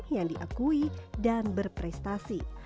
saya ingin mengucapkan terima kasih